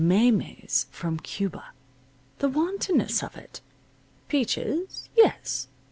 Maymeys from Cuba. The wantonness of it! Peaches? Yes.